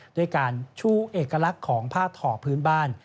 ด้วยการชูเอกลักษณ์ของผ้าถ่อพื้นบ้าน